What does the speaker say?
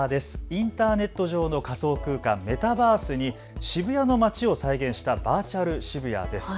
インターネット上の仮想空間、メタバースに渋谷の街を再現したバーチャル渋谷です。